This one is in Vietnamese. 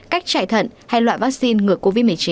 cách chạy thận hay loại vaccine ngừa covid một mươi chín